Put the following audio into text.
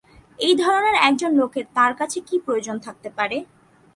এই ধরনের এক জন লোকের তাঁর কাছে কী প্রয়োজন থাকতে পারে?